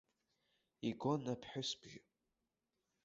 Игон аԥҳәыс бжьы.